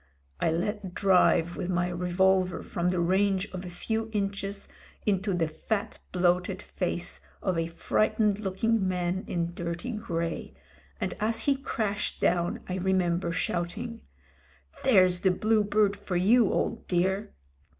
I let drive with my revolver from the range of a few inches into the fat, bloated face of a frightened looking man in dirty g^ey, and as he crashed down I remember shouting, "There's the Blue Bird for you, old dear."